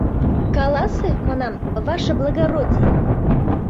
Каласе, манам, ваше благородие.